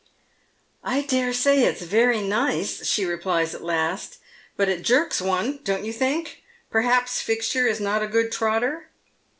" I dare say it's very nice," she replies at last, " but it jerks one, don't you think ? Perhaps Fixture is not a good trotter